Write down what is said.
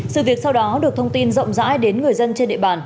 sự việc sau đó được thông tin rộng rãi đến người dân trên địa bàn